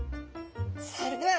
それでは。